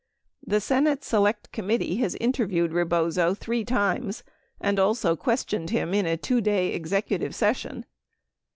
The Senate Select Committee has interviewed Rebozo three times and also questioned him in a 2 day executive session.